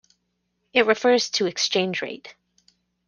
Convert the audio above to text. It refers to exchange rate.